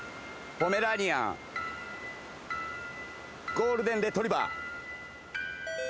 ゴールデンレトリバー。